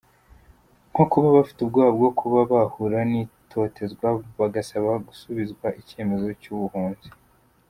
"Nko kuba bafite ubwoba bwo kuba bahura n'itotezwa, bagasaba gusubizwa icyemezo cy'ubuhunzi.